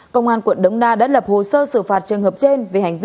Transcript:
công an quận đống đa đã lập hồ sơ xử phạt trường hợp trên